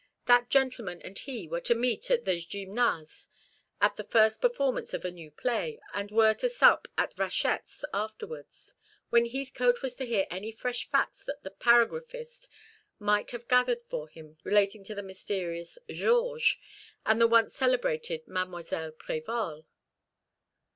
That gentleman and he were to meet at the Gymnase at the first performance of a new play, and they were to sup at Vachette's afterwards, when Heathcote was to hear any fresh facts that the paragraphist might have gathered for him relating to the mysterious Georges and the once celebrated Mdlle. Prévol.